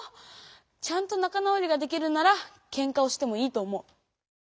ちゃんと仲直りができるならケンカをしてもいいと思う。